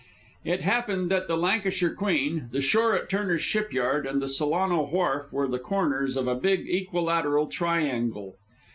It happened that the Lancashire Queen, the shore at Turner's Shipyard, and the Solano Wharf were the corners of a big equilateral triangle.